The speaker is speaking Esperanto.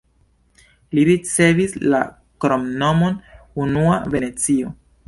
Ĝi ricevis la kromnomon "unua Venecio".